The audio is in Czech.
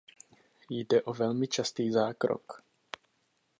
Jde o velmi častý zákrok.